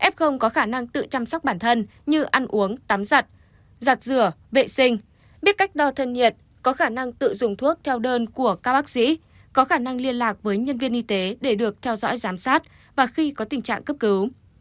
f có khả năng tự chăm sóc bản thân như ăn uống tắm giặt giặt rửa vệ sinh biết cách đo thân nhiệt có khả năng tự dùng thuốc theo đơn của các bác sĩ có khả năng liên lạc với nhân viên y tế để được theo dõi giám sát và khi có tình trạng cấp cứu